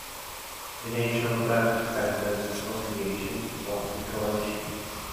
The National Bulk Vendors Association supports the Coalition.